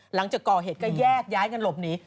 หลังจากก่อเหตุก็แยกย้ายกันหลบหนี